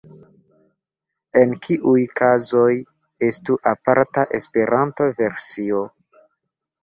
En kiuj kazoj estu aparta Esperanto-versio?